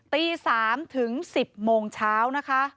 ตี๓ถึง๑๐๐๐ชาว